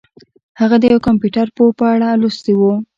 هغه د یو کمپیوټر پوه په اړه لوستي وو